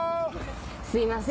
・すいません